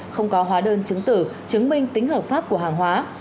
không có hóa đơn chứng tử chứng minh tính hợp pháp của hàng hóa